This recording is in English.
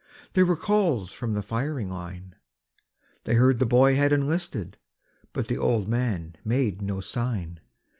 There were calls from the firing line; They heard the boy had enlisted, but the old man made no sign.